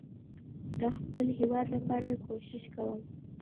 ده خپل هيواد لپاره کوښښ کوم